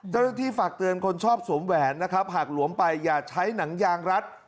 เจ้าหน้าที่ฝากเตือนคนชอบสวมแหวนนะครับหากหลวมไปอย่าใช้หนังยางรัด